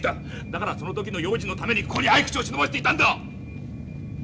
だからその時の用心のためにここにあいくちをしのばせていたんだ！